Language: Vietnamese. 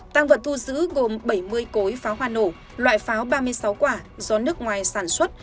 tăng vật thu giữ gồm bảy mươi cối pháo hoa nổ loại pháo ba mươi sáu quả do nước ngoài sản xuất